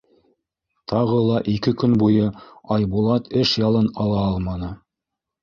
Тағы ла ике көн буйы Айбулат эш ялын ала алманы.